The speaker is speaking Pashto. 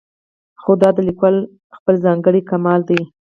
خو دا د لیکوال خپل ځانګړی کمال دی.